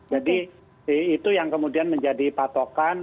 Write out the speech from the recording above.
jadi itu yang kemudian menjadi patokan